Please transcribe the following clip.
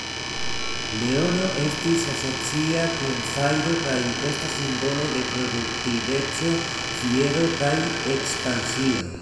Leono estis asocia kun fajro kaj estas simbolo de produktiveco, fiero, kaj ekspansio.